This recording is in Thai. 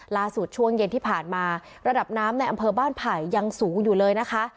ช่วงเย็นที่ผ่านมาระดับน้ำในอำเภอบ้านไผ่ยังสูงอยู่เลยนะคะ